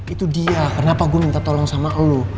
itu dia kenapa gue minta tolong sama allah